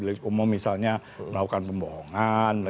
delik umum misalnya melakukan pembohongan